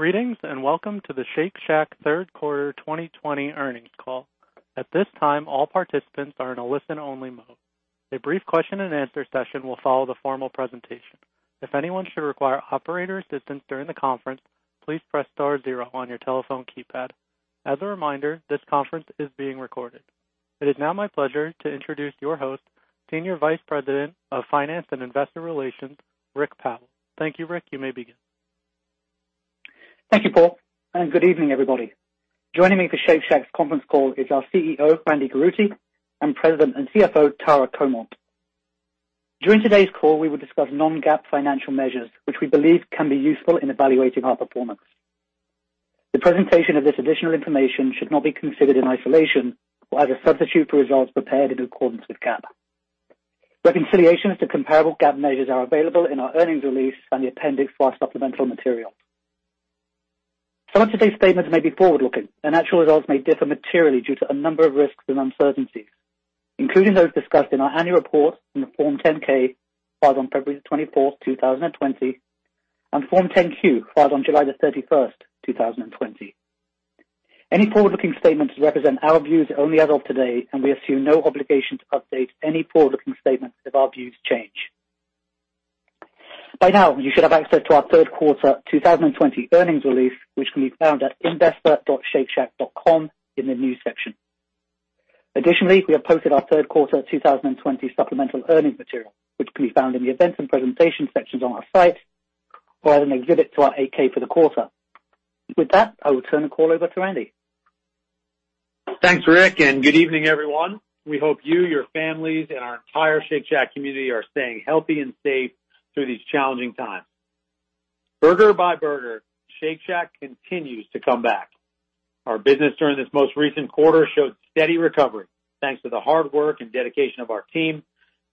Greetings, and welcome to the Shake Shack third quarter 2020 earnings call. At this time, all participants are in a listen-only mode. A brief question and answer session will follow the formal presentation. If anyone should require operator assistance during the conference, please press star zero on your telephone keypad. As a reminder, this conference is being recorded. It is now my pleasure to introduce your host, Senior Vice President of Finance and Investor Relations, Rik Powell. Thank you, Rik. You may begin. Thank you, Paul. Good evening, everybody. Joining me for Shake Shack's conference call is our CEO, Randy Garutti, and President and CFO, Tara Comonte. During today's call, we will discuss non-GAAP financial measures, which we believe can be useful in evaluating our performance. The presentation of this additional information should not be considered in isolation or as a substitute for results prepared in accordance with GAAP. Reconciliations to comparable GAAP measures are available in our earnings release and the appendix for our supplemental material. Some of today's statements may be forward-looking, and actual results may differ materially due to a number of risks and uncertainties, including those discussed in our annual report on the Form 10-K filed on February 24, 2020, and Form 10-Q, filed on July 31st, 2020. Any forward-looking statements represent our views only as of today, and we assume no obligation to update any forward-looking statements if our views change. By now, you should have access to our third quarter 2020 earnings release, which can be found at investor.shakeshack.com in the News section. Additionally, we have posted our third quarter 2020 supplemental earnings material, which can be found in the Events and Presentation sections on our site or as an exhibit to our 8-K for the quarter. With that, I will turn the call over to Randy. Thanks, Rik, good evening, everyone. We hope you, your families, and our entire Shake Shack community are staying healthy and safe through these challenging times. Burger by burger, Shake Shack continues to come back. Our business during this most recent quarter showed steady recovery thanks to the hard work and dedication of our team,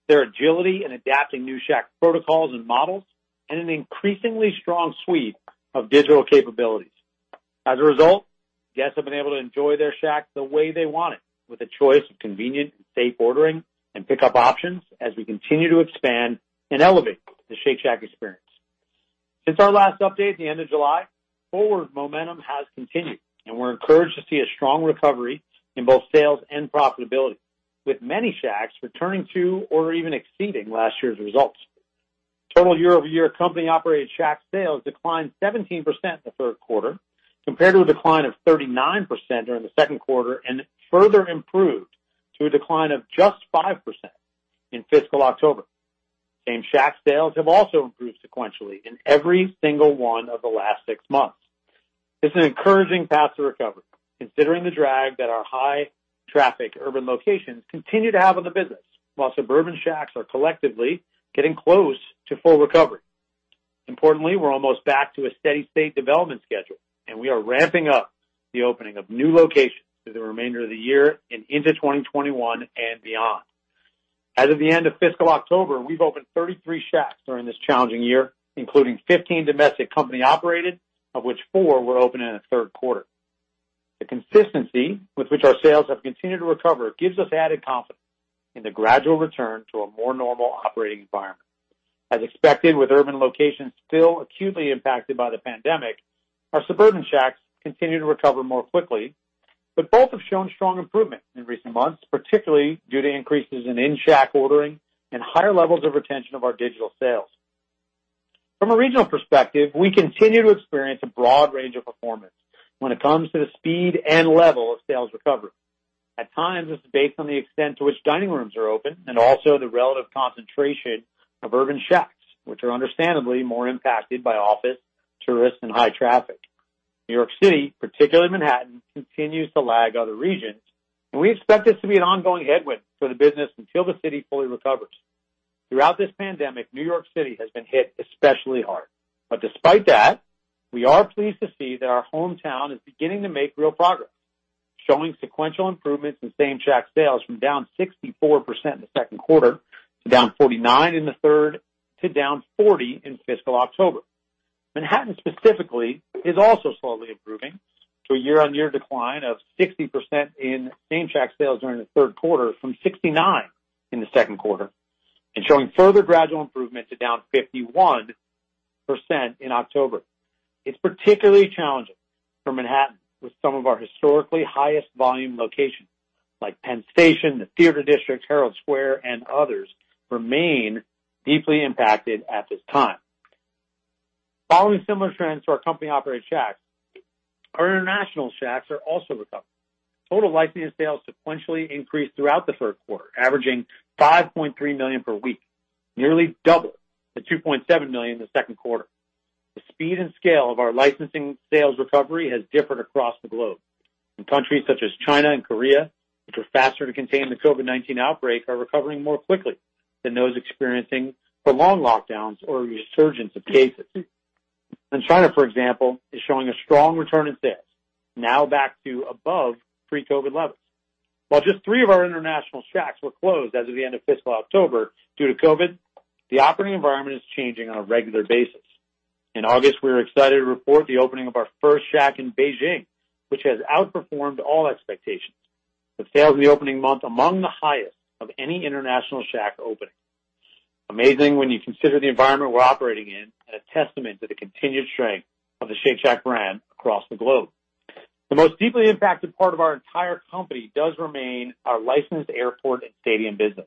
their agility in adapting new Shack protocols and models, and an increasingly strong suite of digital capabilities. As a result, guests have been able to enjoy their Shack the way they want it, with a choice of convenient and safe ordering and pickup options as we continue to expand and elevate the Shake Shack experience. Since our last update at the end of July, forward momentum has continued, and we're encouraged to see a strong recovery in both sales and profitability, with many Shacks returning to or even exceeding last year's results. Total year-over-year company-operated Shack sales declined 17% in the third quarter, compared to a decline of 39% during the second quarter, and further improved to a decline of just 5% in fiscal October. Same-Shack sales have also improved sequentially in every single one of the last six months. This is an encouraging path to recovery, considering the drag that our high-traffic urban locations continue to have on the business, while suburban Shacks are collectively getting close to full recovery. Importantly, we're almost back to a steady state development schedule, and we are ramping up the opening of new locations through the remainder of the year and into 2021 and beyond. As of the end of fiscal October, we've opened 33 Shacks during this challenging year, including 15 domestic company-operated, of which four were opened in the third quarter. The consistency with which our sales have continued to recover gives us added confidence in the gradual return to a more normal operating environment. As expected, with urban locations still acutely impacted by the pandemic, our suburban Shacks continue to recover more quickly, but both have shown strong improvement in recent months, particularly due to increases in in-Shack ordering and higher levels of retention of our digital sales. From a regional perspective, we continue to experience a broad range of performance when it comes to the speed and level of sales recovery. At times, this is based on the extent to which dining rooms are open and also the relative concentration of urban Shacks, which are understandably more impacted by office, tourists, and high traffic. New York City, particularly Manhattan, continues to lag other regions. We expect this to be an ongoing headwind for the business until the city fully recovers. Throughout this pandemic, New York City has been hit especially hard. Despite that, we are pleased to see that our hometown is beginning to make real progress, showing sequential improvements in Same-Shack sales from down 64% in the second quarter to down 49% in the third to down 40% in fiscal October. Manhattan specifically is also slowly improving to a year on year decline of 60% in Same-Shack sales during the third quarter from 69% in the second quarter and showing further gradual improvement to down 51% in October. It's particularly challenging for Manhattan, with some of our historically highest volume locations like Penn Station, the Theater District, Herald Square, and others remain deeply impacted at this time. Following similar trends to our company-operated Shacks, our international Shacks are also recovering. Total licensing sales sequentially increased throughout the third quarter, averaging $5.3 million per week, nearly double the $2.7 million in the second quarter. The speed and scale of our licensing sales recovery has differed across the globe. In countries such as China and Korea, which were faster to contain the COVID-19 outbreak, are recovering more quickly than those experiencing prolonged lockdowns or a resurgence of cases. China, for example, is showing a strong return in sales, now back to above pre-COVID levels. While just three of our international Shacks were closed as of the end of fiscal October due to COVID, the operating environment is changing on a regular basis. In August, we were excited to report the opening of our first Shack in Beijing, which has outperformed all expectations. The sales in the opening month among the highest of any international Shack opening. Amazing when you consider the environment we're operating in, and a testament to the continued strength of the Shake Shack brand across the globe. The most deeply impacted part of our entire company does remain our licensed airport and stadium business.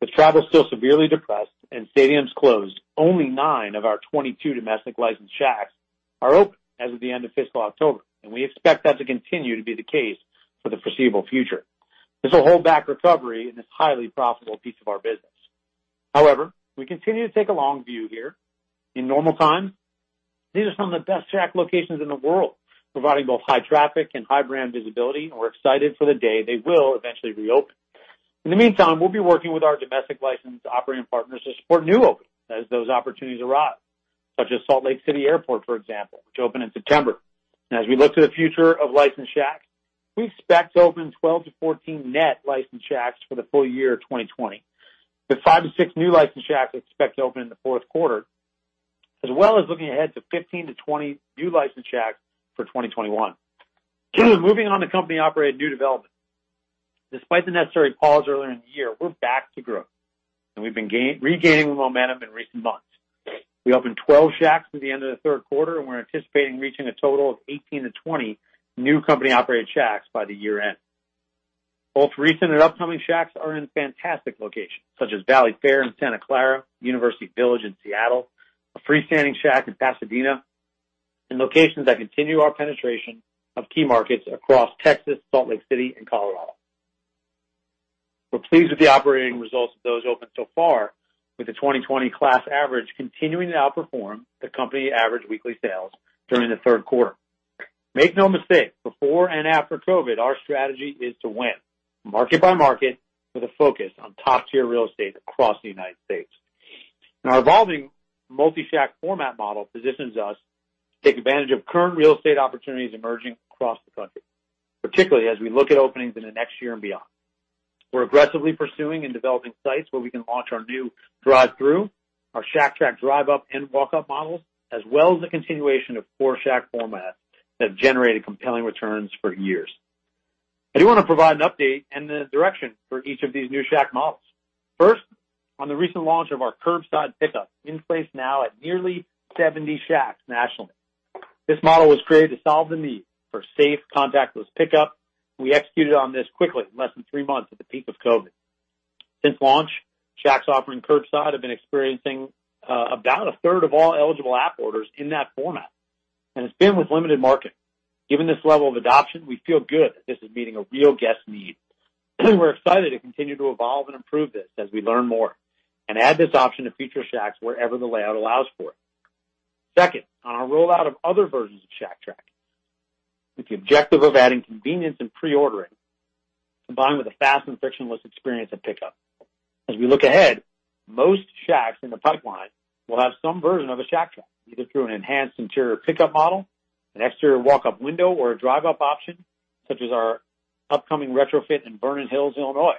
With travel still severely depressed and stadiums closed, only nine of our 22 domestic licensed Shacks are open as of the end of fiscal October, and we expect that to continue to be the case for the foreseeable future. This will hold back recovery in this highly profitable piece of our business. However, we continue to take a long view here. In normal times, these are some of the best Shack locations in the world, providing both high traffic and high brand visibility. We're excited for the day they will eventually reopen. In the meantime, we'll be working with our domestic licensed operating partners to support new openings as those opportunities arise, such as Salt Lake City Airport, for example, which opened in September. As we look to the future of licensed Shacks, we expect to open 12-14 net licensed Shacks for the full year 2020, with five to six new licensed Shacks we expect to open in the fourth quarter, as well as looking ahead to 15-20 new licensed Shacks for 2021. Moving on to company-operated new development. Despite the necessary pause earlier in the year, we're back to growth. We've been regaining the momentum in recent months. We opened 12 Shacks at the end of the third quarter, and we're anticipating reaching a total of 18-20 new company-operated Shacks by the year-end. Both recent and upcoming Shacks are in fantastic locations, such as Valley Fair in Santa Clara, University Village in Seattle, a freestanding Shack in Pasadena, and locations that continue our penetration of key markets across Texas, Salt Lake City, and Colorado. We're pleased with the operating results of those opened so far, with the 2020 class average continuing to outperform the company average weekly sales during the third quarter. Make no mistake, before and after COVID, our strategy is to win market by market with a focus on top-tier real estate across the United States. Our evolving multi-Shack format model positions us to take advantage of current real estate opportunities emerging across the country, particularly as we look at openings in the next year and beyond. We're aggressively pursuing and developing sites where we can launch our new drive-thru, our Shack Track drive-up and walk-up models, as well as the continuation of core Shack formats that have generated compelling returns for years. I do want to provide an update and the direction for each of these new Shack models. First, on the recent launch of our curbside pickup, in place now at nearly 70 Shacks nationally. This model was created to solve the need for safe, contactless pickup. We executed on this quickly in less than three months at the peak of COVID. Since launch, Shacks offering curbside have been experiencing about a third of all eligible app orders in that format, and it's been with limited marketing. Given this level of adoption, we feel good that this is meeting a real guest need. We're excited to continue to evolve and improve this as we learn more and add this option to future Shacks wherever the layout allows for it. Second, on our rollout of other versions of Shack Track with the objective of adding convenience in pre-ordering, combined with a fast and frictionless experience at pickup. As we look ahead, most Shacks in the pipeline will have some version of a Shack Track, either through an enhanced interior pickup model, an exterior walk-up window, or a drive-up option, such as our upcoming retrofit in Vernon Hills, Illinois.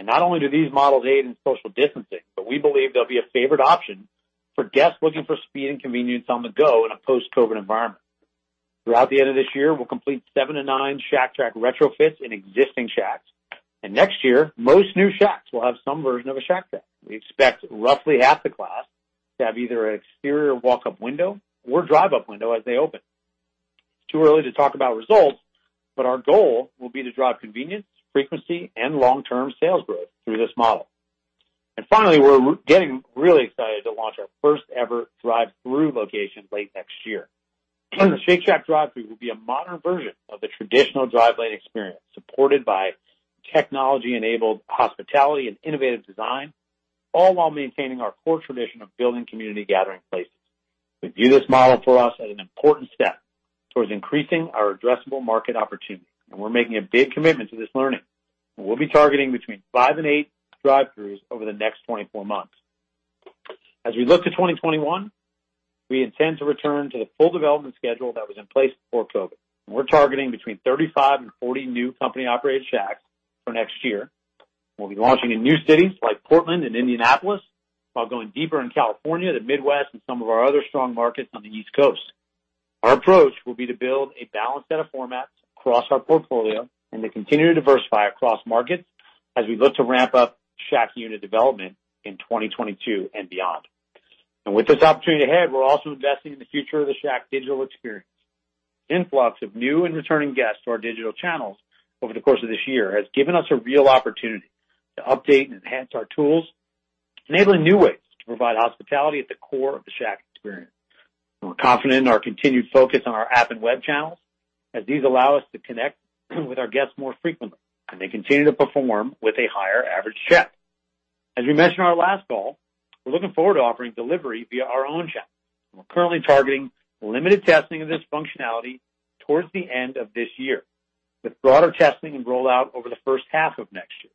Not only do these models aid in social distancing, but we believe they'll be a favored option for guests looking for speed and convenience on the go in a post-COVID environment. Throughout the end of this year, we'll complete seven to nine Shack Track retrofits in existing Shacks. Next year, most new Shacks will have some version of a Shack Track. We expect roughly half the class to have either an exterior walk-up window or drive-up window as they open. It's too early to talk about results, but our goal will be to drive convenience, frequency, and long-term sales growth through this model. Finally, we're getting really excited to launch our first-ever drive-thru location late next year. Shake Shack drive-thru will be a modern version of the traditional drive lane experience, supported by technology-enabled hospitality and innovative design, all while maintaining our core tradition of building community gathering places. We view this model for us as an important step towards increasing our addressable market opportunity, and we're making a big commitment to this learning, and we'll be targeting between five and eight drive-thrus over the next 24 months. As we look to 2021, we intend to return to the full development schedule that was in place before COVID, and we're targeting between 35 and 40 new company-operated Shacks for next year. We'll be launching in new cities like Portland and Indianapolis, while going deeper in California, the Midwest, and some of our other strong markets on the East Coast. Our approach will be to build a balanced set of formats across our portfolio and to continue to diversify across markets as we look to ramp up Shack unit development in 2022 and beyond. With this opportunity ahead, we're also investing in the future of the Shack digital experience. Influx of new and returning guests to our digital channels over the course of this year has given us a real opportunity to update and enhance our tools, enabling new ways to provide hospitality at the core of the Shack experience. We're confident in our continued focus on our app and web channels, as these allow us to connect with our guests more frequently, and they continue to perform with a higher average check. As we mentioned on our last call, we're looking forward to offering delivery via our own channel, and we're currently targeting limited testing of this functionality towards the end of this year, with broader testing and rollout over the first half of next year.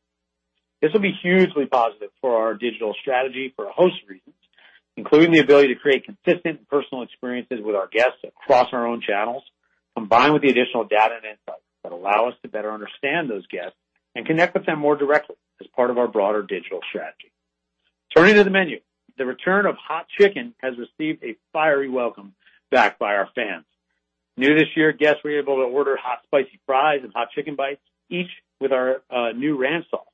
This will be hugely positive for our digital strategy for a host of reasons, including the ability to create consistent personal experiences with our guests across our own channels, combined with the additional data and insights that allow us to better understand those guests and connect with them more directly as part of our broader digital strategy. Turning to the menu, the return of Hot Chicken has received a fiery welcome back by our fans. New this year, guests were able to order hot Spicy Fries and Hot Chicken Bites, each with our new ranch sauce.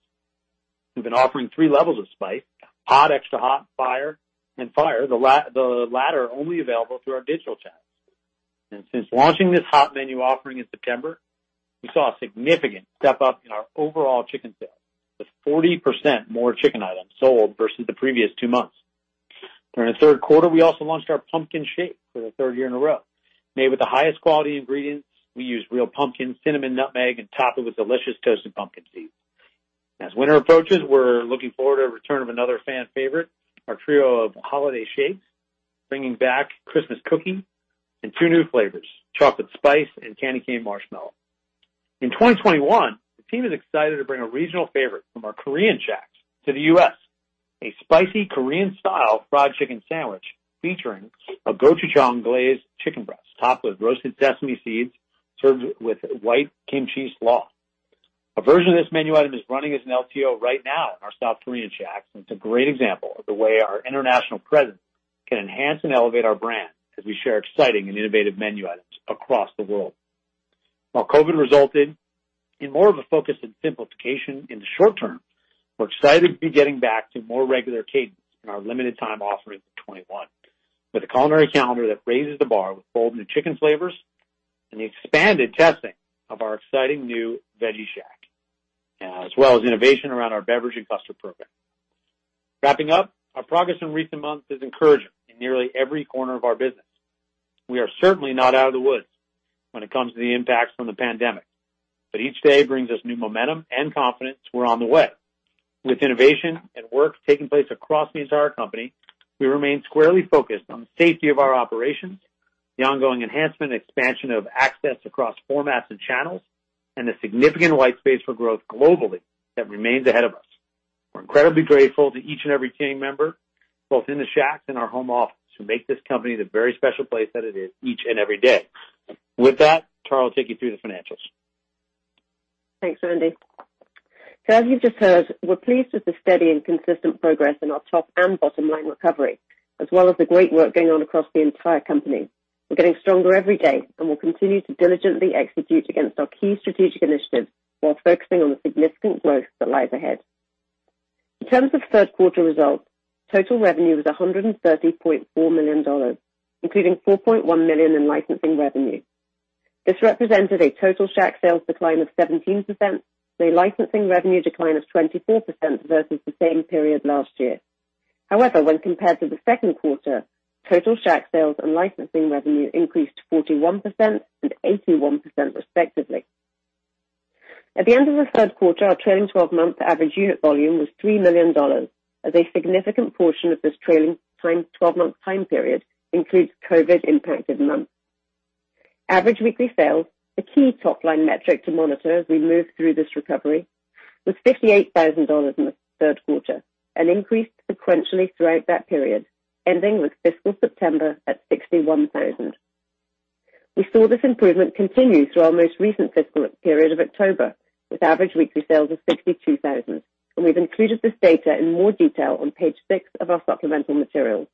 We've been offering three levels of spice, hot, extra hot, and fire. The latter are only available through our digital channels. Since launching this hot menu offering in September, we saw a significant step up in our overall chicken sales, with 40% more chicken items sold versus the previous two months. During the third quarter, we also launched our Pumpkin Shake for the third year in a row. Made with the highest quality ingredients, we use real pumpkin, cinnamon, nutmeg, and top it with delicious toasted pumpkin seeds. As winter approaches, we're looking forward to the return of another fan favorite, our trio of holiday shakes, bringing back Christmas Cookie and two new flavors, Chocolate Spice and Candy Cane Marshmallow. In 2021, the team is excited to bring a regional favorite from our Korean Shacks to the U.S., a spicy Korean-Style Fried Chick'n sandwich featuring a Gochujang glazed chicken breast topped with roasted sesame seeds, served with white kimchi slaw. A version of this menu item is running as an LTO right now in our South Korean Shacks, and it's a great example of the way our international presence can enhance and elevate our brand as we share exciting and innovative menu items across the world. While COVID resulted in more of a focus on simplification in the short term, we're excited to be getting back to more regular cadence in our limited time offerings in 2021, with a culinary calendar that raises the bar with bold new chicken flavors and the expanded testing of our exciting new Veggie Shack, as well as innovation around our beverage and custard program. Wrapping up, our progress in recent months is encouraging in nearly every corner of our business. We are certainly not out of the woods when it comes to the impacts from the pandemic, but each day brings us new momentum and confidence we're on the way. With innovation and work taking place across the entire company, we remain squarely focused on the safety of our operations, the ongoing enhancement and expansion of access across formats and channels, and the significant white space for growth globally that remains ahead of us. We're incredibly grateful to each and every team member, both in the Shacks and our home office, who make this company the very special place that it is each and every day. With that, Tara will take you through the financials. Thanks, Randy. As you just heard, we're pleased with the steady and consistent progress in our top and bottom line recovery, as well as the great work going on across the entire company. We're getting stronger every day, and we'll continue to diligently execute against our key strategic initiatives while focusing on the significant growth that lies ahead. In terms of third quarter results, total revenue was $130.4 million, including $4.1 million in licensing revenue. This represented a total Shake Shack sales decline of 17%, and a licensing revenue decline of 24% versus the same period last year. However, when compared to the second quarter, total Shake Shack sales and licensing revenue increased 41% and 81% respectively. At the end of the third quarter, our trailing 12-month average unit volume was $3 million, as a significant portion of this trailing 12-month time period includes COVID impacted months. Average weekly sales, the key top-line metric to monitor as we move through this recovery, was $58,000 in the third quarter and increased sequentially throughout that period, ending with fiscal September at $61,000. We saw this improvement continue through our most recent fiscal period of October with average weekly sales of $62,000, and we've included this data in more detail on page six of our supplemental materials.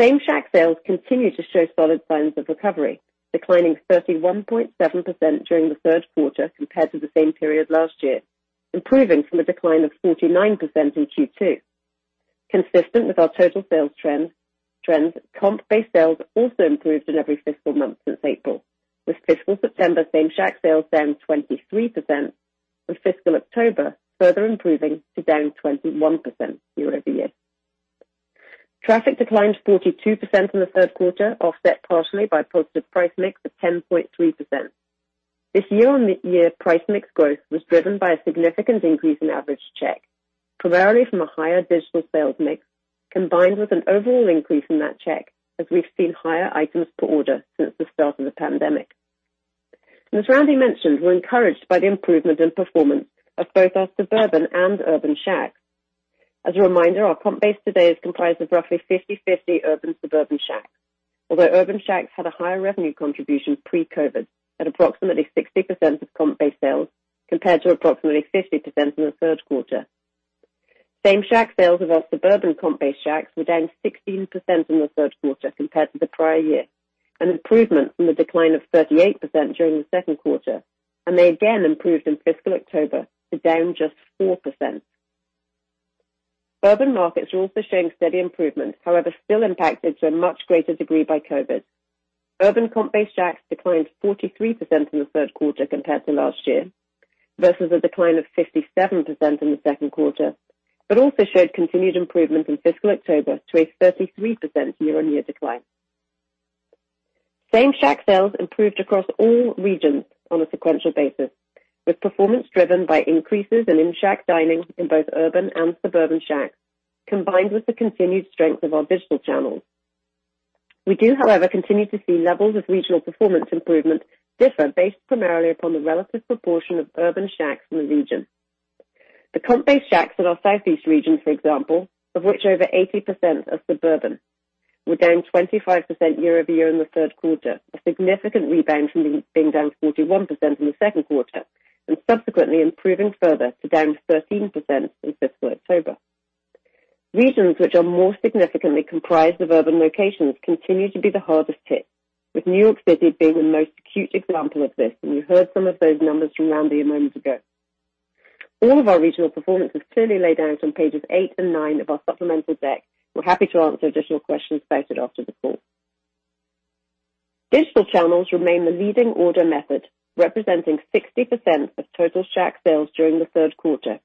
Same-Shack sales continue to show solid signs of recovery, declining 31.7% during the third quarter compared to the same period last year, improving from a decline of 49% in Q2. Consistent with our total sales trends, comp-based sales also improved in every fiscal month since April, with fiscal September Same-Shack sales down 23%, with fiscal October further improving to down 21% year-over-year. Traffic declined 42% in the third quarter, offset partially by positive price mix of 10.3%. This year-on-year price mix growth was driven by a significant increase in average check, primarily from a higher digital sales mix, combined with an overall increase in that check as we've seen higher items per order since the start of the pandemic. As Randy mentioned, we're encouraged by the improvement in performance of both our suburban and urban Shacks. As a reminder, our comp base today is comprised of roughly 50/50 urban, suburban Shacks. Although urban Shacks had a higher revenue contribution pre-COVID at approximately 60% of comp-based sales, compared to approximately 50% in the third quarter. Same-Shack sales of our suburban comp-based Shacks were down 16% in the third quarter compared to the prior year, an improvement from the decline of 38% during the second quarter. They again improved in fiscal October to down just 4%. Urban markets are also showing steady improvement, however, still impacted to a much greater degree by COVID. Urban comp-based Shacks declined 43% in the third quarter compared to last year, versus a decline of 57% in the second quarter, but also showed continued improvement in fiscal October to a 33% year-on-year decline. Same-Shack sales improved across all regions on a sequential basis, with performance driven by increases in in-Shack dining in both urban and suburban Shacks, combined with the continued strength of our digital channels. We do, however, continue to see levels of regional performance improvement differ based primarily upon the relative proportion of urban Shacks in the region. The comp-based Shacks in our Southeast region, for example, of which over 80% are suburban, we're down 25% year-over-year in the third quarter, a significant rebound from being down 41% in the second quarter, and subsequently improving further to down 13% in fiscal October. Regions which are more significantly comprised of urban locations continue to be the hardest hit, with New York City being the most acute example of this, and you heard some of those numbers from Randy a moment ago. All of our regional performance is clearly laid out on pages eight and nine of our supplemental deck. We're happy to answer additional questions about it after the call. Digital channels remain the leading order method, representing 60% of total Shack sales during the third quarter,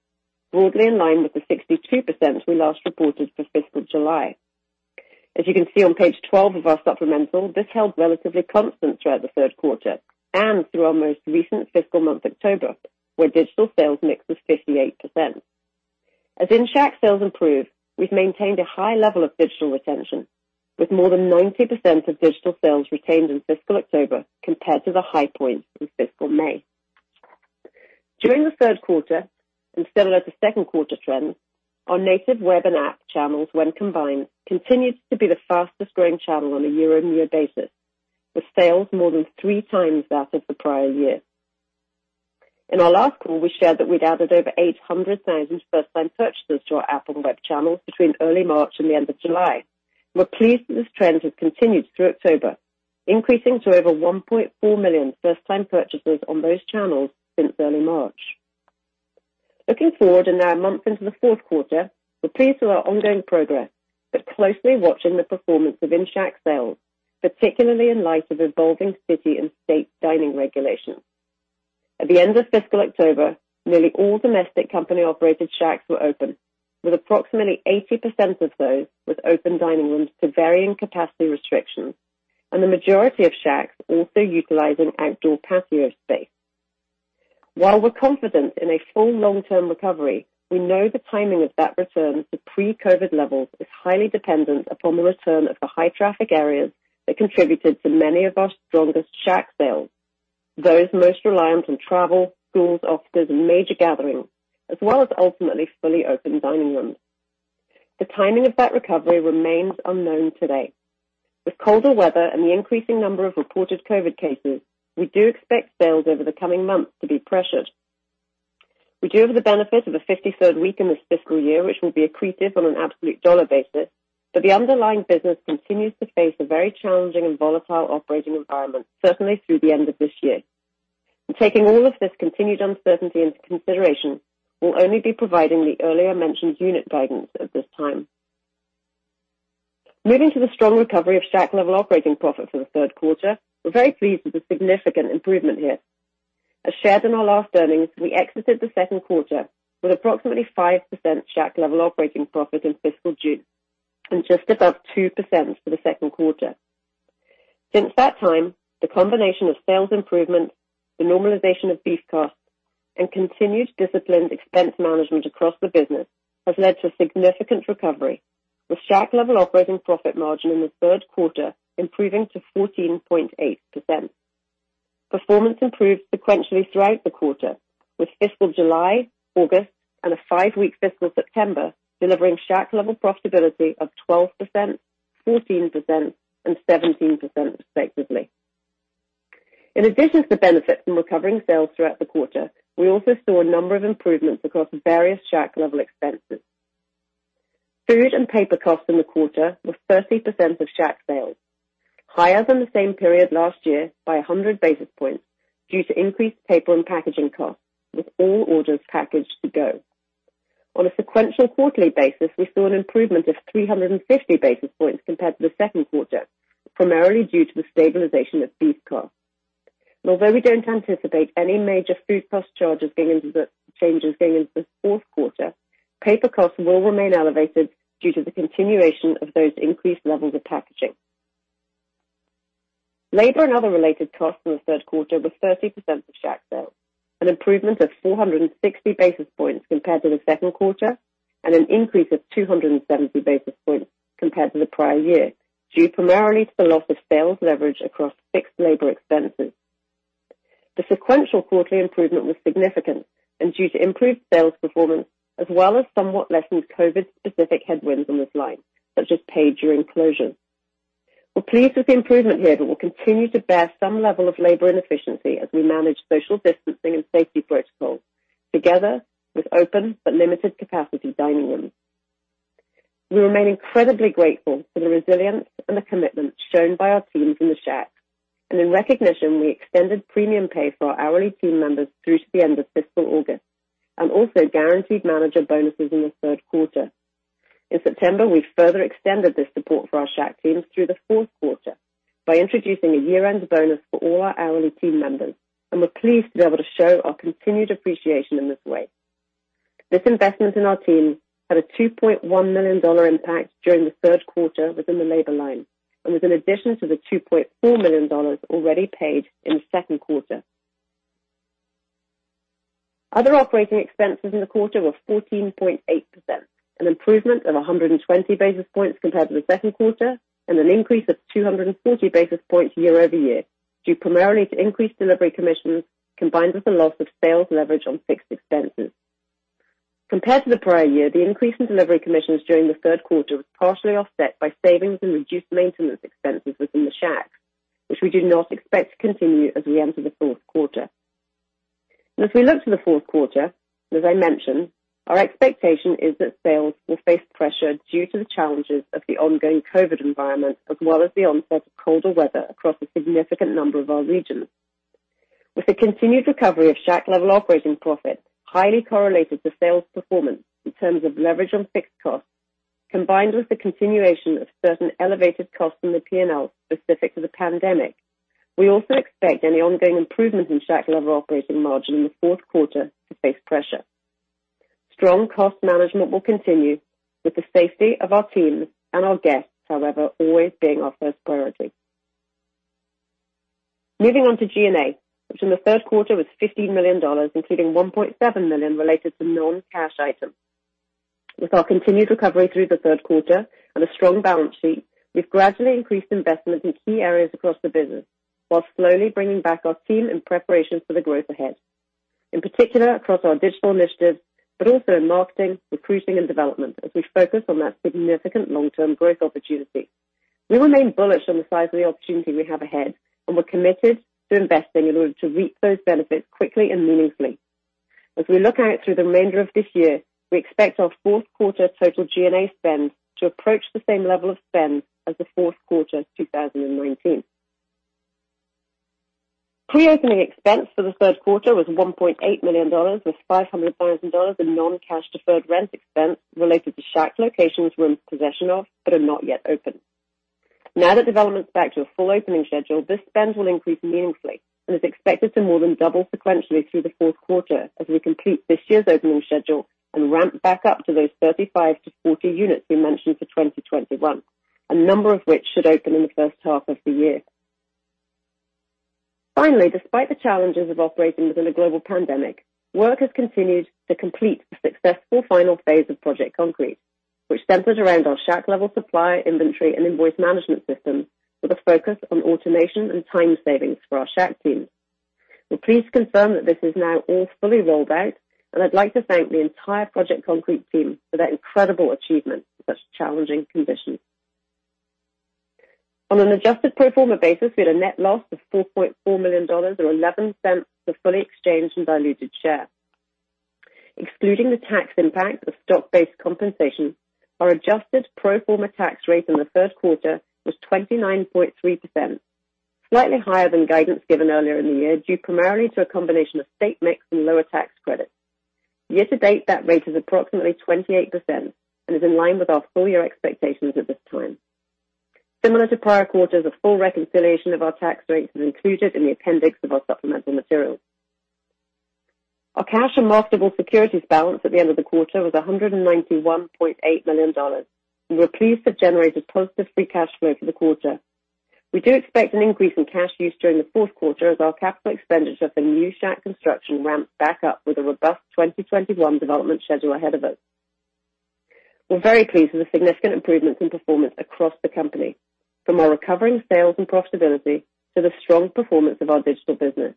broadly in line with the 62% we last reported for fiscal July. As you can see on page 12 of our supplemental, this held relatively constant throughout the third quarter and through our most recent fiscal month, October, where digital sales mix was 58%. As in-Shack sales improve, we've maintained a high level of digital retention with more than 90% of digital sales retained in fiscal October compared to the high point in fiscal May. During the third quarter, and similar to second quarter trends, our native web and app channels, when combined, continued to be the fastest-growing channel on a year-over-year basis, with sales more than 3x that of the prior year. In our last call, we shared that we'd added over 800,000 first-time purchasers to our app and web channels between early March and the end of July. We're pleased that this trend has continued through October, increasing to over 1.4 million first-time purchasers on those channels since early March. Looking forward, now a month into the fourth quarter, we're pleased with our ongoing progress, but closely watching the performance of in-Shack sales, particularly in light of evolving city and state dining regulations. At the end of fiscal October, nearly all domestic company-operated Shacks were open, with approximately 80% of those with open dining rooms to varying capacity restrictions, and the majority of Shacks also utilizing outdoor patio space. While we're confident in a full long-term recovery, we know the timing of that return to pre-COVID levels is highly dependent upon the return of the high-traffic areas that contributed to many of our strongest Shack sales, those most reliant on travel, schools, offices, and major gatherings, as well as ultimately fully open dining rooms. The timing of that recovery remains unknown today. With colder weather and the increasing number of reported COVID cases, we do expect sales over the coming months to be pressured. We do have the benefit of a 53rd week in this fiscal year, which will be accretive on an absolute dollar basis, but the underlying business continues to face a very challenging and volatile operating environment, certainly through the end of this year. Taking all of this continued uncertainty into consideration, we'll only be providing the earlier mentioned unit guidance at this time. Moving to the strong recovery of Shack level operating profit for the third quarter. We're very pleased with the significant improvement here. As shared in our last earnings, we exited the second quarter with approximately 5% Shack level operating profit in fiscal June and just above 2% for the second quarter. Since that time, the combination of sales improvements, the normalization of beef costs, and continued disciplined expense management across the business has led to significant recovery, with Shack level operating profit margin in the third quarter improving to 14.8%. Performance improved sequentially throughout the quarter, with fiscal July, August, and a five-week fiscal September delivering Shack level profitability of 12%, 14%, and 17% respectively. In addition to benefits from recovering sales throughout the quarter, we also saw a number of improvements across various Shack level expenses. Food and paper costs in the quarter were 30% of Shack sales, higher than the same period last year by 100 basis points due to increased paper and packaging costs, with all orders packaged to go. On a sequential quarterly basis, we saw an improvement of 350 basis points compared to the second quarter, primarily due to the stabilization of beef costs. Although we don't anticipate any major food cost changes going into the fourth quarter, paper costs will remain elevated due to the continuation of those increased levels of packaging. Labor and other related costs in the third quarter were 30% of Shack sales, an improvement of 460 basis points compared to the second quarter, and an increase of 270 basis points compared to the prior year, due primarily to the loss of sales leverage across fixed labor expenses. The sequential quarterly improvement was significant and due to improved sales performance, as well as somewhat lessened COVID-specific headwinds on this line, such as pay during closures. We're pleased with the improvement here, but we'll continue to bear some level of labor inefficiency as we manage social distancing and safety protocols together with open but limited capacity dining rooms. We remain incredibly grateful for the resilience and the commitment shown by our teams in the Shacks, and in recognition, we extended premium pay for our hourly team members through to the end of fiscal August, and also guaranteed manager bonuses in the third quarter. In September, we further extended this support for our Shack teams through the fourth quarter by introducing a year-end bonus for all our hourly team members, and we're pleased to be able to show our continued appreciation in this way. This investment in our team had a $2.1 million impact during the third quarter within the labor line and was in addition to the $2.4 million already paid in the second quarter. Other operating expenses in the quarter were 14.8%, an improvement of 120 basis points compared to the second quarter, and an increase of 240 basis points year-over-year, due primarily to increased delivery commissions combined with the loss of sales leverage on fixed expenses. Compared to the prior year, the increase in delivery commissions during the third quarter was partially offset by savings and reduced maintenance expenses within the Shack, which we do not expect to continue as we enter the fourth quarter. As we look to the fourth quarter, as I mentioned, our expectation is that sales will face pressure due to the challenges of the ongoing COVID environment as well as the onset of colder weather across a significant number of our regions. With the continued recovery of Shack level operating profit highly correlated to sales performance in terms of leverage on fixed costs, combined with the continuation of certain elevated costs in the P&L specific to the pandemic, we also expect any ongoing improvement in Shack level operating margin in the fourth quarter to face pressure. Strong cost management will continue with the safety of our teams and our guests, however, always being our first priority. Moving on to G&A, which in the third quarter was $15 million, including $1.7 million related to non-cash items. With our continued recovery through the third quarter and a strong balance sheet, we've gradually increased investment in key areas across the business while slowly bringing back our team in preparation for the growth ahead, in particular across our digital initiatives, but also in marketing, recruiting, and development as we focus on that significant long-term growth opportunity. We remain bullish on the size of the opportunity we have ahead, and we're committed to investing in order to reap those benefits quickly and meaningfully. As we look out through the remainder of this year, we expect our fourth quarter total G&A spend to approach the same level of spend as the fourth quarter 2019. Pre-opening expense for the third quarter was $1.8 million, with $500,000 in non-cash deferred rent expense related to Shack locations we're in possession of but are not yet open. Now that development's back to a full opening schedule, this spend will increase meaningfully and is expected to more than double sequentially through the fourth quarter as we complete this year's opening schedule and ramp back up to those 35-40 units we mentioned for 2021, a number of which should open in the first half of the year. Finally, despite the challenges of operating within a global pandemic, work has continued to complete the successful final phase of Project Concrete, which centers around our Shack level supply, inventory, and invoice management systems with a focus on automation and time savings for our Shack teams. We're pleased to confirm that this is now all fully rolled out, and I'd like to thank the entire Project Concrete team for that incredible achievement in such challenging conditions. On an adjusted pro forma basis, we had a net loss of $4.4 million, or $0.11 a fully exchanged and diluted share. Excluding the tax impact of stock-based compensation, our adjusted pro forma tax rate in the third quarter was 29.3%, slightly higher than guidance given earlier in the year, due primarily to a combination of state mix and lower tax credits. Year to date, that rate is approximately 28% and is in line with our full-year expectations at this time. Similar to prior quarters, a full reconciliation of our tax rates is included in the appendix of our supplemental materials. Our cash and marketable securities balance at the end of the quarter was $191.8 million. We were pleased to have generated positive free cash flow for the quarter. We do expect an increase in cash use during the fourth quarter as our capital expenditure for new Shack construction ramps back up with a robust 2021 development schedule ahead of us. We're very pleased with the significant improvements in performance across the company, from our recovering sales and profitability to the strong performance of our digital business.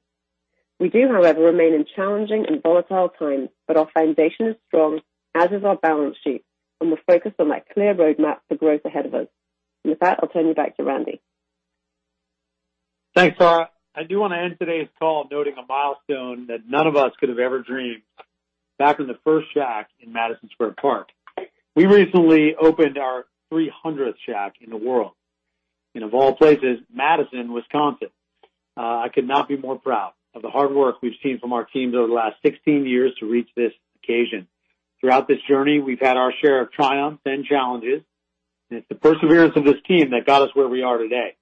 We do, however, remain in challenging and volatile times, but our foundation is strong, as is our balance sheet, and we're focused on that clear roadmap for growth ahead of us. With that, I'll turn you back to Randy. Thanks, Tara. I do want to end today's call noting a milestone that none of us could have ever dreamed back in the first Shack in Madison Square Park. We recently opened our 300th Shack in the world in, of all places, Madison, Wisconsin. I could not be more proud of the hard work we've seen from our teams over the last 16 years to reach this occasion. Throughout this journey, we've had our share of triumphs and challenges, and it's the perseverance of this team that got us where we are today.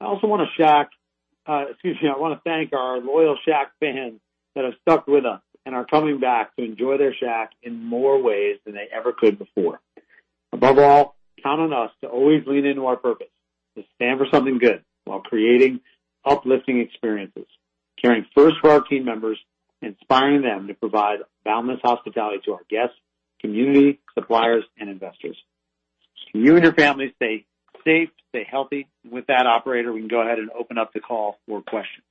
I also want to, excuse me. I want to thank our loyal Shack fans that have stuck with us and are coming back to enjoy their Shack in more ways than they ever could before. Above all, count on us to always lean into our purpose, to stand for something good while creating uplifting experiences, caring first for our team members, inspiring them to provide boundless hospitality to our guests, community, suppliers, and investors. You and your family stay safe, stay healthy. With that, operator, we can go ahead and open up the call for questions.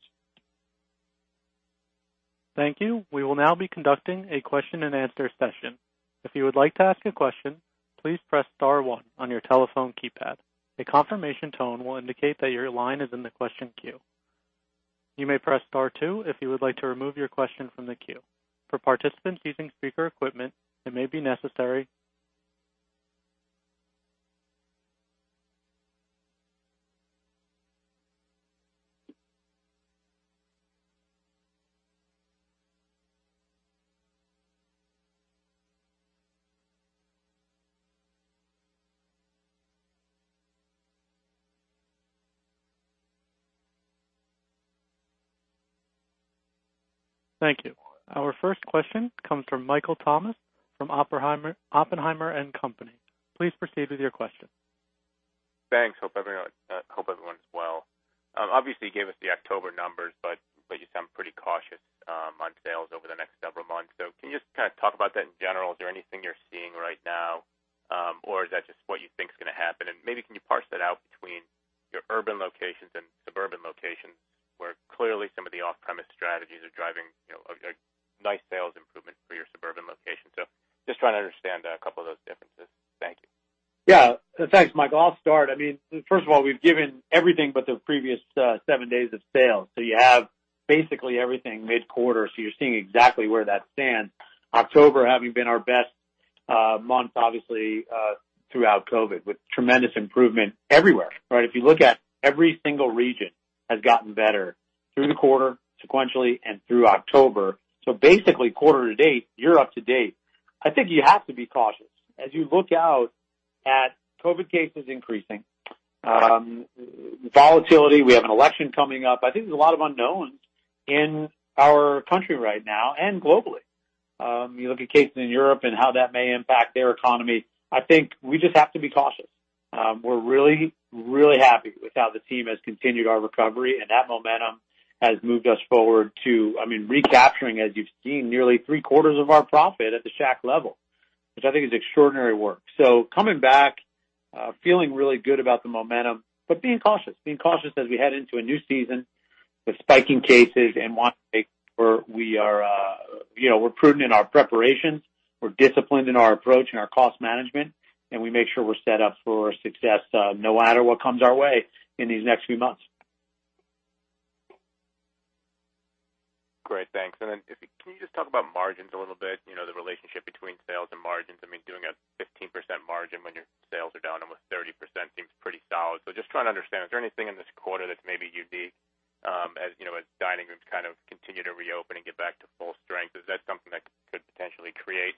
Thank you. We will now be conducting a question and answer session. If you would like to ask a question please press star one on your telephone keypad. A confirmation tone will indicate that your line is in the question queue. You may press star two if you would like to remove your question from the queue. For participants using speaker equipment, it may be necessary [inaudible] Thank you. Our first question comes from Michael Tamas from Oppenheimer & Company. Please proceed with your question. Thanks. Hope everyone is well. Obviously, you gave us the October numbers, you sound pretty cautious on sales over the next several months. Can you just kind of talk about that in general? Is there anything you're seeing right now? Is that just what you think is going to happen? Maybe can you parse that out between your urban locations and suburban locations, where clearly some of the off-premise strategies are driving a nice sales improvement for your suburban locations. Just trying to understand a couple of those differences. Thank you. Yeah. Thanks, Mike. I'll start. First of all, we've given everything but the previous seven days of sales. You have basically everything mid-quarter, so you're seeing exactly where that stands. October having been our best month, obviously, throughout COVID, with tremendous improvement everywhere, right? If you look at every single region has gotten better through the quarter sequentially and through October. Basically quarter to date, year up to date. I think you have to be cautious as you look out at COVID cases increasing. Volatility. We have an election coming up. I think there's a lot of unknowns in our country right now and globally. You look at cases in Europe and how that may impact their economy. I think we just have to be cautious. We're really happy with how the team has continued our recovery, and that momentum has moved us forward to, I mean, recapturing, as you've seen, nearly three-quarters of our profit at the Shack level, which I think is extraordinary work. Coming back, feeling really good about the momentum, but being cautious as we head into a new season with spiking cases and wanting to make sure we're prudent in our preparations, we're disciplined in our approach and our cost management, and we make sure we're set up for success, no matter what comes our way in these next few months. Great. Thanks. Can you just talk about margins a little bit, the relationship between sales and margins? I mean, doing a 15% margin when your sales are down almost 30% seems pretty solid. Just trying to understand, is there anything in this quarter that's maybe unique as dining rooms kind of continue to reopen and get back to full strength? Is that something that could potentially create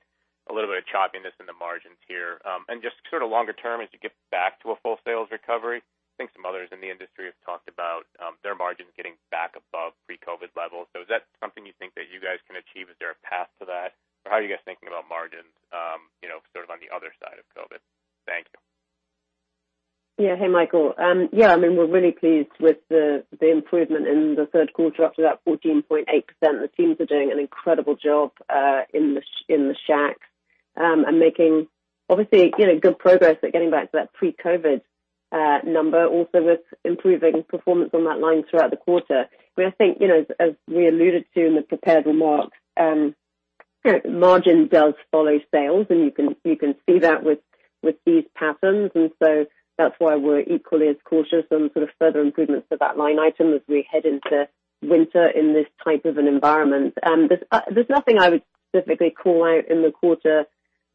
a little bit of choppiness in the margins here? Just sort of longer term, as you get back to a full sales recovery, I think some others in the industry have talked about their margins getting back above pre-COVID levels. Is that something you think that you guys can achieve? Is there a path to that? How are you guys thinking about margins sort of on the other side of COVID? Thank you. Hey, Michael. I mean, we're really pleased with the improvement in the third quarter, up to that 14.8%. The teams are doing an incredible job in the Shack, making obviously good progress at getting back to that pre-COVID number also with improving performance on that line throughout the quarter. I think, as we alluded to in the prepared remarks, margin does follow sales, you can see that with these patterns. That's why we're equally as cautious on sort of further improvements to that line item as we head into winter in this type of an environment. There's nothing I would specifically call out in the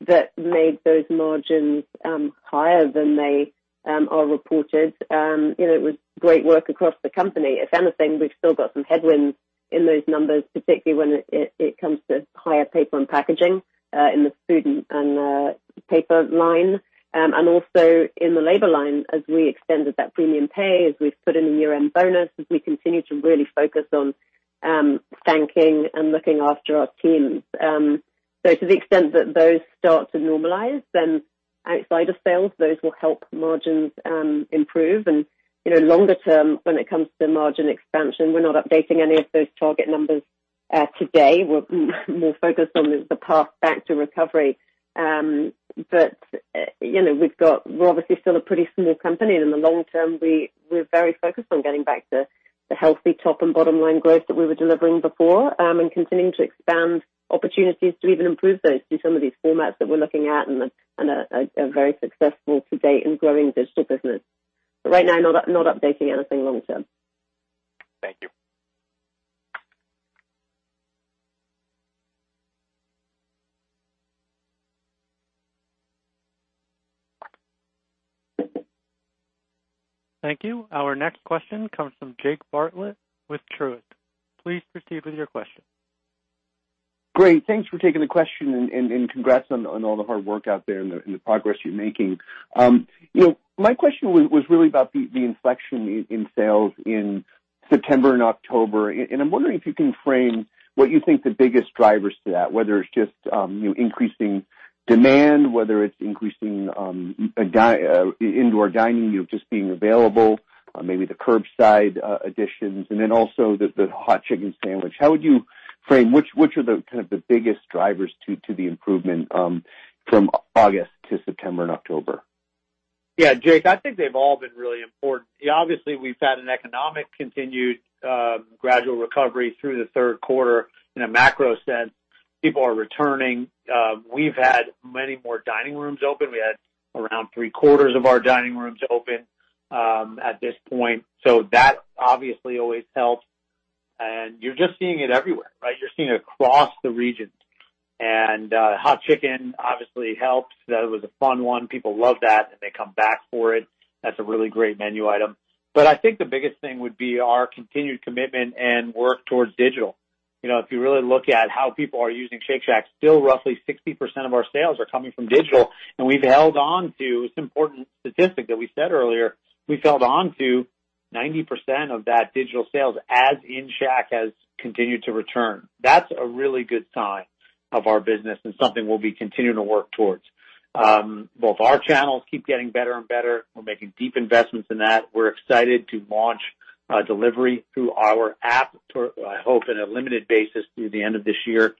quarter that made those margins higher than they are reported. It was great work across the company. If anything, we've still got some headwinds in those numbers, particularly when it comes to higher paper and packaging in the food and paper line. Also in the labor line as we extended that premium pay, as we've put in a year-end bonus, as we continue to really focus on thanking and looking after our teams. To the extent that those start to normalize, then outside of sales, those will help margins improve. Longer term, when it comes to margin expansion, we're not updating any of those target numbers today. We're more focused on the path back to recovery. We're obviously still a pretty small company. In the long term, we're very focused on getting back to the healthy top and bottom-line growth that we were delivering before and continuing to expand opportunities to even improve those through some of these formats that we're looking at and are very successful to date in growing digital business. Right now, not updating anything long term. Thank you. Thank you. Our next question comes from Jake Bartlett with Truist. Please proceed with your question. Great. Thanks for taking the question and congrats on all the hard work out there and the progress you're making. My question was really about the inflection in sales in September and October. I'm wondering if you can frame what you think the biggest drivers to that, whether it's just increasing demand, whether it's increasing indoor dining, you just being available, maybe the curbside additions, and then also the Hot Chicken Sandwich. How would you frame, which are the kind of the biggest drivers to the improvement from August to September and October? Yeah. Jake, I think they've all been really important. Obviously, we've had an economic continued gradual recovery through the third quarter. In a macro sense, people are returning. We've had many more dining rooms open. We had around three-quarters of our dining rooms open, at this point. That obviously always helps. You're just seeing it everywhere, right? You're seeing it across the regions. Hot Chicken obviously helps. That was a fun one. People love that, and they come back for it. That's a really great menu item. I think the biggest thing would be our continued commitment and work towards digital. If you really look at how people are using Shake Shack, still roughly 60% of our sales are coming from digital. It's an important statistic that we said earlier, we've held on to 90% of that digital sales as in Shack has continued to return. That's a really good sign of our business and something we'll be continuing to work towards. Both our channels keep getting better and better. We're making deep investments in that. We're excited to launch delivery through our app, I hope on a limited basis through the end of this year,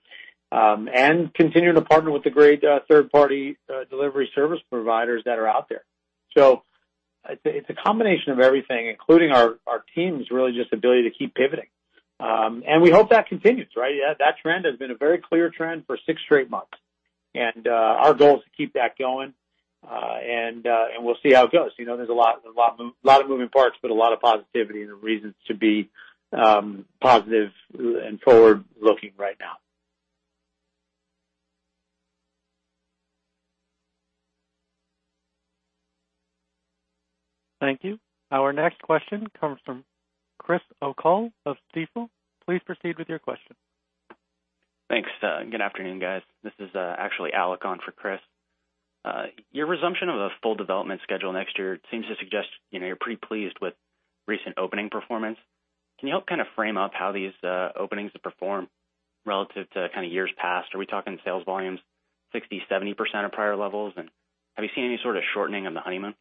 and continuing to partner with the great third-party delivery service providers that are out there. It's a combination of everything, including our teams really just ability to keep pivoting. We hope that continues, right? That trend has been a very clear trend for six straight months. Our goal is to keep that going, and we'll see how it goes. There's a lot of moving parts, but a lot of positivity and reasons to be positive and forward-looking right now. Thank you. Our next question comes from Chris O'Cull of Stifel. Please proceed with your question. Thanks. Good afternoon, guys. This is actually Alec on for Chris. Your resumption of a full development schedule next year seems to suggest you're pretty pleased with recent opening performance. Can you help kind of frame up how these openings perform relative to years past? Are we talking sales volumes 60%, 70% of prior levels? Have you seen any sort of shortening of the honeymoon?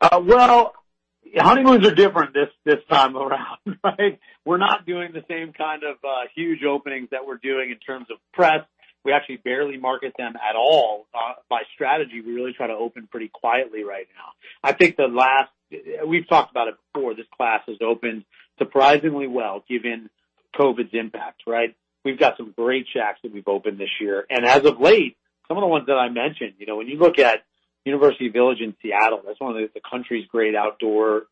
Well, honeymoons are different this time around, right? We're not doing the same kind of huge openings that we're doing in terms of press. We actually barely market them at all. By strategy, we really try to open pretty quietly right now. I think the last-- We've talked about it before. This class has opened surprisingly well, given COVID's impact, right? We've got some great Shacks that we've opened this year a nd as of late, some of the ones that I mentioned. When you look at University Village in Seattle, that's one of the country's great outdoor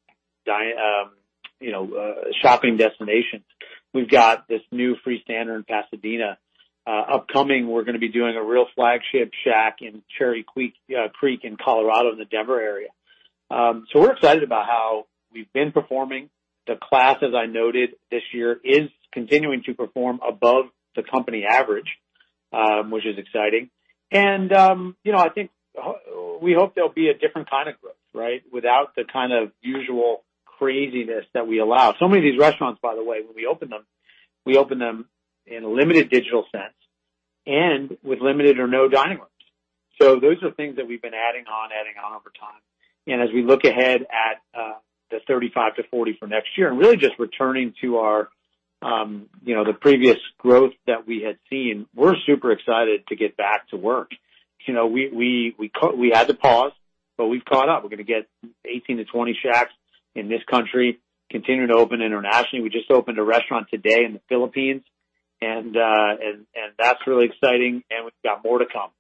shopping destinations. We've got this new freestanding in Pasadena. Upcoming, we're going to be doing a real flagship Shack in Cherry Creek in Colorado in the Denver area. So we're excited about how we've been performing. The class, as I noted this year, is continuing to perform above the company average, which is exciting. I think, we hope there'll be a different kind of growth, right? Without the kind of usual craziness that we allow. Many of these restaurants, by the way, when we open them, we open them in a limited digital sense and with limited or no dining rooms. Those are things that we've been adding on over time. As we look ahead at the 35-40 units for next year, and really just returning to the previous growth that we had seen, we're super excited to get back to work. We had to pause, but we've caught up. We're going to get 18-20 Shacks in this country, continuing to open internationally. We just opened a restaurant today in the Philippines, and that's really exciting, and we've got more to come.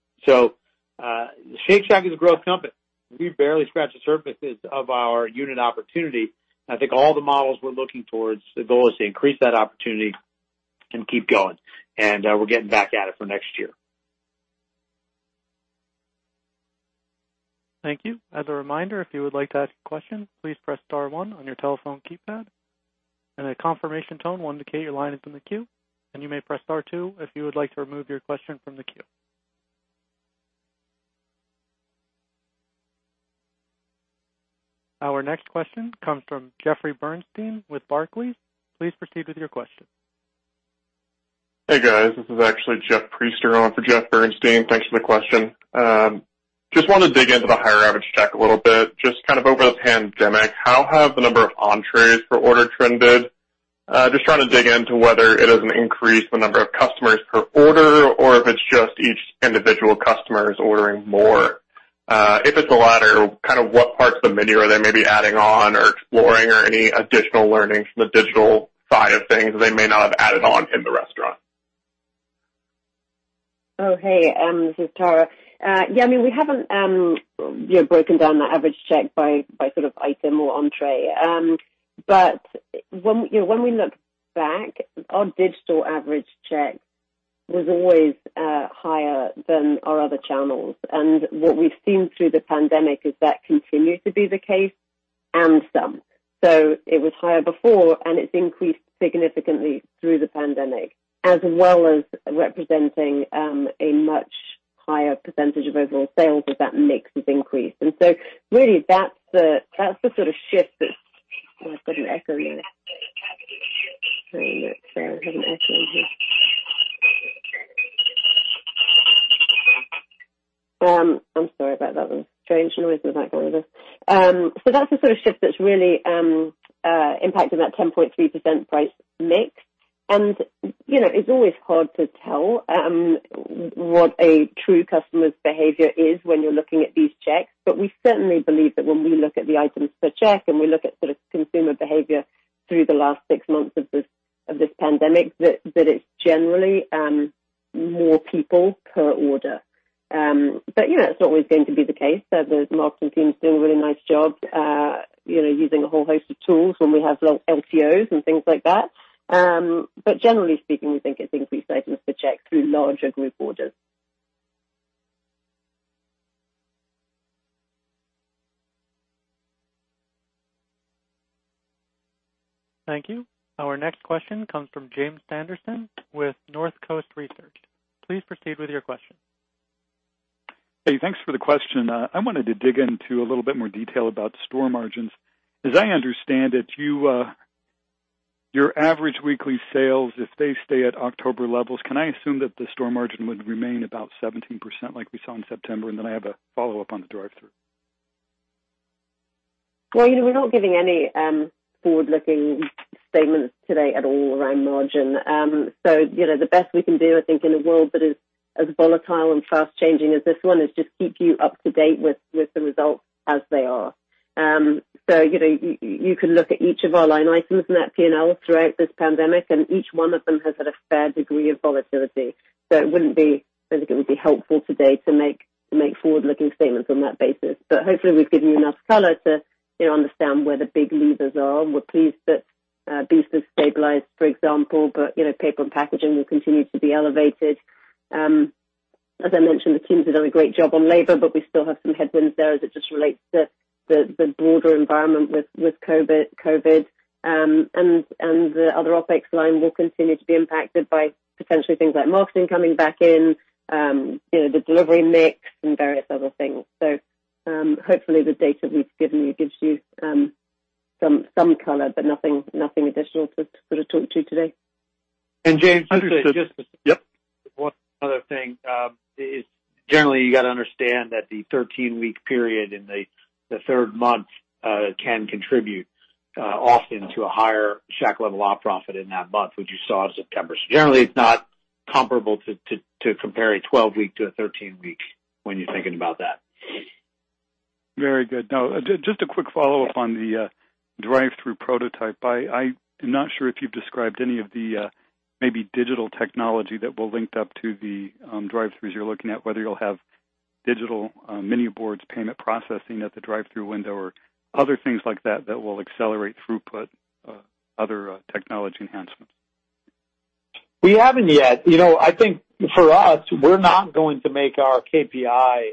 Shake Shack is a growth company. We've barely scratched the surfaces of our unit opportunity. I think all the models we're looking towards, the goal is to increase that opportunity and keep going. We're getting back at it for next year. Thank you. As a reminder if you would like to ask a question please press star one on your telephone keypad and a confirmation tone will indicate your line is in the queue. You may press star two if you would like to remove your question from the queue. Our next question comes from Jeffrey Bernstein with Barclays. Please proceed with your question. Hey, guys. This is actually Jeff Priester on for Jeff Bernstein. Thanks for the question. Just want to dig into the higher average check a little bit. Just kind of over the pandemic, how have the number of entrees per order trended? Just trying to dig into whether it is an increase the number of customers per order or if it's just each individual customer is ordering more. If it's the latter, kind of what parts of the menu are they maybe adding on or exploring or any additional learnings from the digital side of things that they may not have added on in the restaurant? Hey. This is Tara. Yeah, we haven't broken down the average check by item or entree. When we look back, our digital average check was always higher than our other channels. What we've seen through the pandemic is that continues to be the case and some. It was higher before, and it's increased significantly through the pandemic, as well as representing a much higher percentage of overall sales as that mix has increased. Really, that's the sort of shift that I've got an echo here. Sorry, I have an echo here. I'm sorry about that. Strange noise in the background there. That's the sort of shift that's really impacted that 10.3% price mix. It's always hard to tell what a true customer's behavior is when you're looking at these checks. We certainly believe that when we look at the items per check and we look at consumer behavior through the last six months of this pandemic, that it's generally more people per order. Yeah, it's not always going to be the case. The marketing team is doing a really nice job using a whole host of tools when we have LTOs and things like that. Generally speaking, we think it's increased items per check through larger group orders. Thank you. Our next question comes from Jim Sanderson with Northcoast Research. Please proceed with your question. Hey, thanks for the question. I wanted to dig into a little bit more detail about store margins. As I understand it. Your average weekly sales, if they stay at October levels, can I assume that the store margin would remain about 17%, like we saw in September? I have a follow-up on the drive-through. Well, we're not giving any forward-looking statements today at all around margin. The best we can do, I think, in a world that is as volatile and fast-changing as this one, is just keep you up to date with the results as they are. You can look at each of our line items in that P&L throughout this pandemic, and each one of them has had a fair degree of volatility. It would be helpful today to make forward-looking statements on that basis. Hopefully, we've given you enough color to understand where the big levers are. We're pleased that beef has stabilized, for example, but paper and packaging will continue to be elevated. As I mentioned, the team has done a great job on labor, but we still have some headwinds there as it just relates to the broader environment with COVID. The other OpEx line will continue to be impacted by potentially things like marketing coming back in, the delivery mix, and various other things. Hopefully, the data we've given you gives you some color, but nothing additional to talk to today. And Jim- Understood. Yep. One other thing. Generally, you got to understand that the 13-week period in the third month can contribute often to a higher Shack-level profit in that month, which you saw September. Generally, it's not comparable to compare a 12-week to a 13-week when you're thinking about that. Very good. Now, just a quick follow-up on the drive-through prototype, I am not sure if you've described any of the maybe digital technology that will link up to the drive-throughs you're looking at, whether you'll have digital menu boards, payment processing at the drive-through window, or other things like that that will accelerate throughput, other technology enhancements? We haven't yet. I think for us, we're not going to make our KPI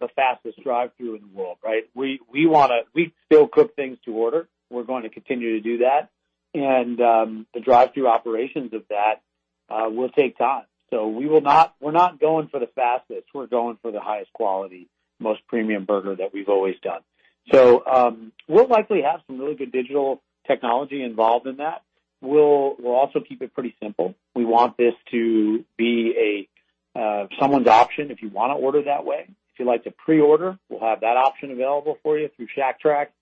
the fastest drive-through in the world, right? We still cook things to order. We're going to continue to do that. The drive-through operations of that will take time. We're not going for the fastest. We're going for the highest quality, most premium burger that we've always done. We'll likely have some really good digital technology involved in that. We'll also keep it pretty simple. We want this to be someone's option if you want to order that way. If you'd like to pre-order, we'll have that option available for you through Shack Track.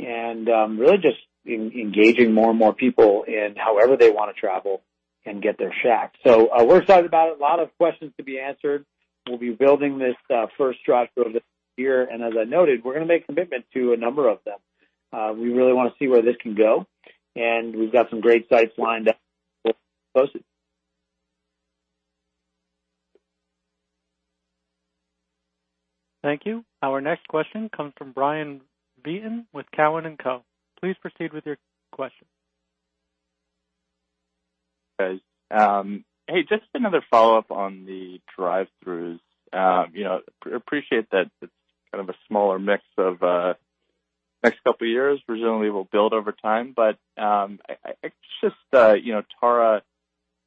Really just engaging more and more people in however they want to travel and get their Shack. We're excited about it. A lot of questions to be answered. We'll be building this first drive-through this year, and as I noted, we're going to make commitments to a number of them. We really want to see where this can go. We've got some great sites lined up. Thank you. Our next question comes from Bryan Bergin with Cowen and Co. Please proceed with your question. Hey, just another follow-up on the drive-throughs. Appreciate that it's kind of a smaller mix of next couple of years. Presumably will build over time. Just, Tara,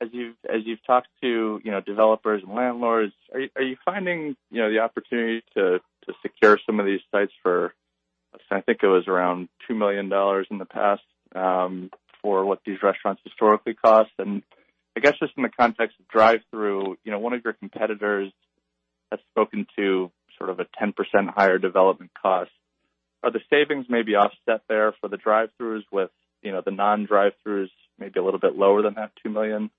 as you've talked to developers and landlords, are you finding the opportunity to secure some of these sites for, I think it was around $2 million in the past, for what these restaurants historically cost? I guess just in the context of drive-through, one of your competitors has spoken to sort of a 10% higher development cost. Are the savings maybe offset there for the drive-throughs with the non-drive-throughs maybe a little bit lower than that $2 million?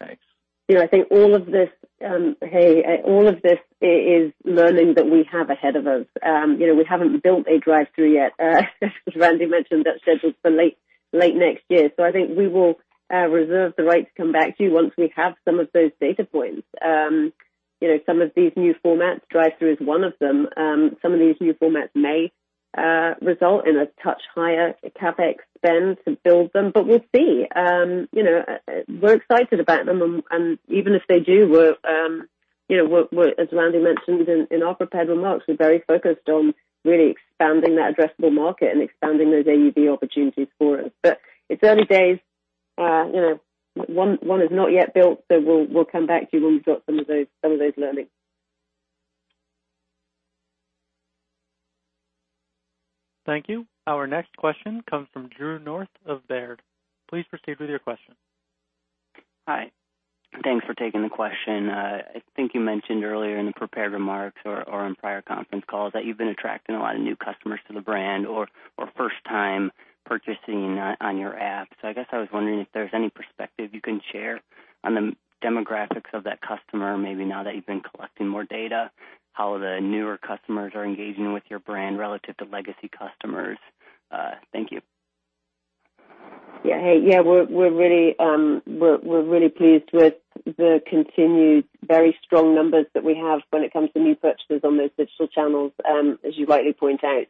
Thanks. Yeah, I think all of this is learning that we have ahead of us. We haven't built a drive-through yet. As Randy mentioned, that's scheduled for late next year. I think we will reserve the right to come back to you once we have some of those data points. Some of these new formats, drive-through is one of them. Some of these new formats may result in a touch higher CapEx spend to build them, but we'll see. We're excited about them, and even if they do, as Randy mentioned in our prepared remarks, we're very focused on really expanding that addressable market and expanding those AUV opportunities for us. It's early days. One is not yet built, so we'll come back to you when we've got some of those learnings. Thank you. Our next question comes from Drew North of Baird. Please proceed with your question. Hi. Thanks for taking the question. I think you mentioned earlier in the prepared remarks or on prior conference calls that you've been attracting a lot of new customers to the brand or first time purchasing on your app. I guess I was wondering if there's any perspective you can share on the demographics of that customer, maybe now that you've been collecting more data, how the newer customers are engaging with your brand relative to legacy customers. Thank you. Yeah, we're really pleased with the continued very strong numbers that we have when it comes to new purchases on those digital channels, as you rightly point out.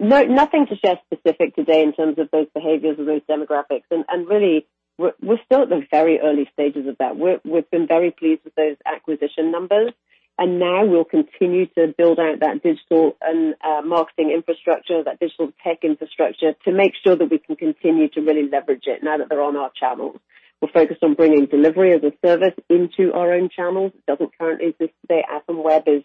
Nothing to share specific today in terms of those behaviors or those demographics. Really, we're still at the very early stages of that. We've been very pleased with those acquisition numbers, and now we'll continue to build out that digital and marketing infrastructure, that digital tech infrastructure, to make sure that we can continue to really leverage it now that they're on our channels. We're focused on bringing delivery as a service into our own channels. It doesn't currently exist today. App and web is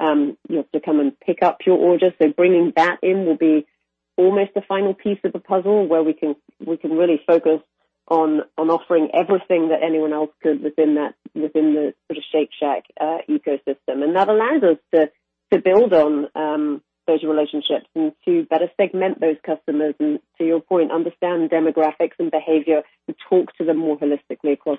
to come and pick up your order. Bringing that in will be almost the final piece of the puzzle where we can really focus on offering everything that anyone else could within the Shake Shack ecosystem. That allows us to build on those relationships and to better segment those customers and, to your point, understand demographics and behavior and talk to them more holistically across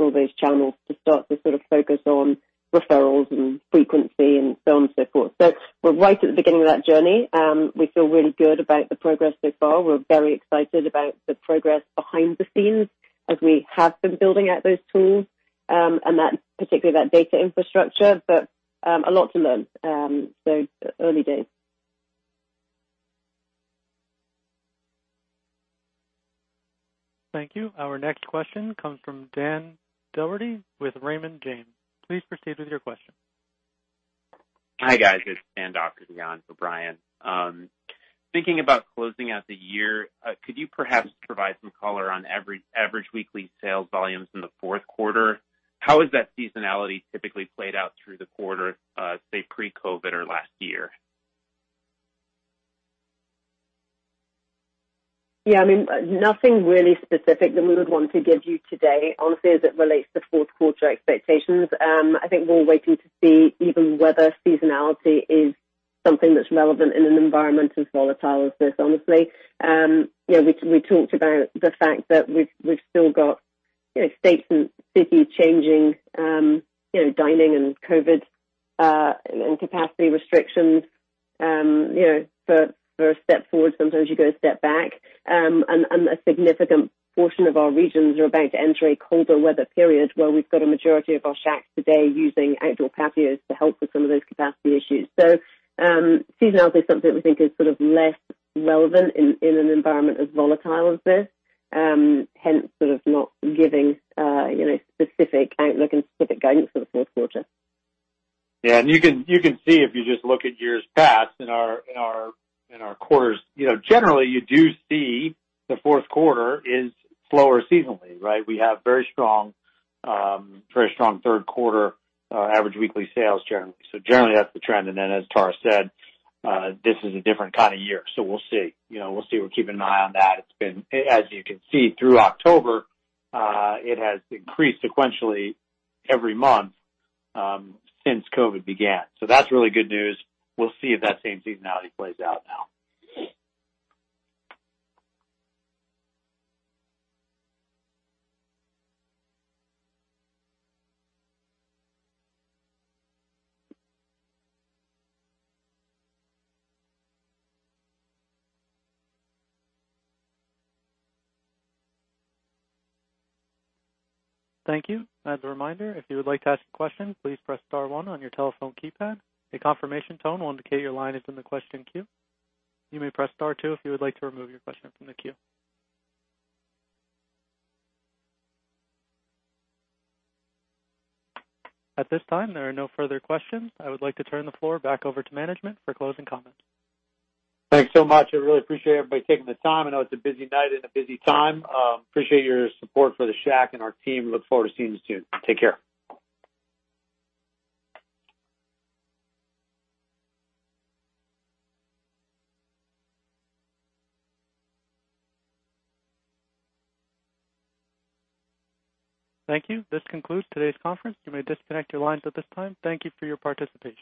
all those channels to start to sort of focus on referrals and frequency and so on and so forth. We're right at the beginning of that journey. We feel really good about the progress so far. We're very excited about the progress behind the scenes as we have been building out those tools, and particularly that data infrastructure. A lot to learn, so early days. Thank you. Our next question comes from Dan Doherty with Raymond James. Please proceed with your question. Hi, guys. It's Dan Doherty on for Brian. Thinking about closing out the year, could you perhaps provide some color on average weekly sales volumes in the fourth quarter? How has that seasonality typically played out through the quarter, say, pre-COVID or last year? Yeah. Nothing really specific that we would want to give you today, honestly, as it relates to fourth quarter expectations. I think we're waiting to see even whether seasonality is something that's relevant in an environment as volatile as this, honestly. We talked about the fact that we've still got states and cities changing dining and COVID and capacity restrictions. For a step forward, sometimes you go a step back. A significant portion of our regions are about to enter a colder weather period where we've got a majority of our Shacks today using outdoor patios to help with some of those capacity issues. Seasonality is something that we think is sort of less relevant in an environment as volatile as this, hence sort of not giving specific outlook and specific guidance for the fourth quarter. Yeah. You can see if you just look at years past in our quarters, generally, you do see the fourth quarter is slower seasonally, right? We have very strong third quarter average weekly sales generally. Generally, that's the trend. As Tara said, this is a different kind of year, so we'll see. We're keeping an eye on that. As you can see, through October, it has increased sequentially every month since COVID began. That's really good news. We'll see if that same seasonality plays out now. Thank you. As a reminder, if you would like to ask a question, please press star one on your telephone keypad. A confirmation tone will indicate your line is in the question queue. You may press star two if you would like to remove your question from the queue. At this time, there are no further questions. I would like to turn the floor back over to management for closing comments. Thanks so much. I really appreciate everybody taking the time. I know it's a busy night and a busy time. Appreciate your support for the Shack and our team. Look forward to seeing you soon. Take care. Thank you. This concludes today's conference. You may disconnect your lines at this time. Thank you for your participation.